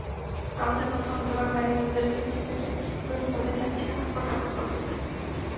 আমাদের মতো হতভাগা বাড়িওয়ালাদের ভেংচি কেটে দ্রুতপদে যাচ্ছে আপন আপন গন্তব্যে।